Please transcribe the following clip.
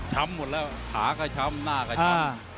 หมดแล้วขาก็ช้ำหน้าก็ช้ำ